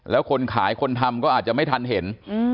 แล้วคนขายคนทำก็อาจจะไม่ทันเห็น